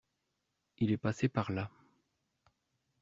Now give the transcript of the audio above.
Il est passé par là.